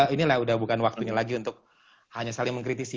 inilah udah bukan waktunya lagi untuk hanya saling mengkritisi